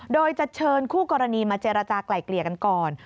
โดยจะเชิญคู่กรณีมาเจรจากลายเกลี่ยกันก่อน